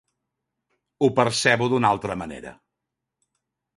Ho percebo d'una altra manera.